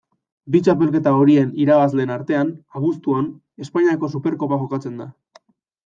Bi txapelketa horien irabazleen artean, abuztuan, Espainiako Superkopa jokatzen da.